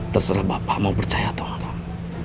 terserah bapak mau percaya atau orang